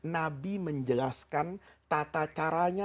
nabi menjelaskan tata caranya